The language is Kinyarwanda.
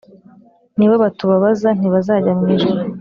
ni bo batubabaza ntibazajya mw ijuru!